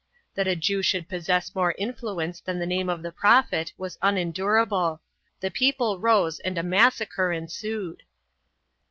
That a Jew should possess more influence than the name of the Prophet was unendurable; the people rose and a massacre ensued.